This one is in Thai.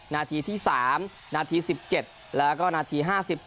นาทีที่๓นาที๑๗แล้วก็นาที๕๖